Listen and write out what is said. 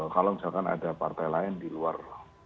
kalau misalkan ada partai lain di luar